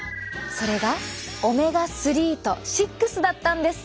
それがオメガ３と６だったんです。